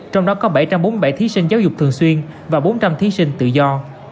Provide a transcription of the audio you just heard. trong đó có bảy trăm bốn mươi bảy thí sinh giáo dục thường xuyên và bốn trăm linh thí sinh tự do